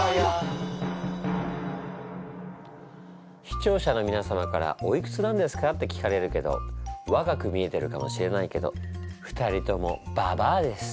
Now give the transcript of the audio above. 視聴者のみなさまから「おいくつなんですか」って聞かれるけど若く見えてるかもしれないけど２人ともババアです。